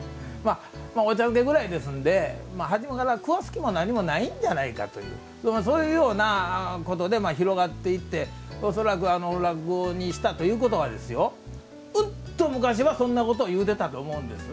お茶漬けぐらいですんで初めから食わす気も何もないんじゃないかというそういうようなことで広がっていって恐らく落語にしたということはうんと昔はそんなことを言うてたと思うんです。